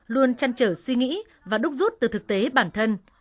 luôn chăn trở suy nghĩ và đúc rút từ thực tế bản thân